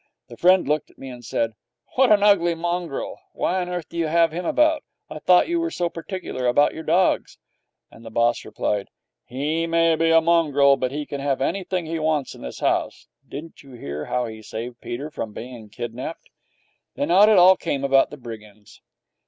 The friend looked at me and said, 'What an ugly mongrel! Why on earth do you have him about? I thought you were so particular about your dogs?' And the boss replied, 'He may be a mongrel, but he can have anything he wants in this house. Didn't you hear how he saved Peter from being kidnapped?' And out it all came about the brigands.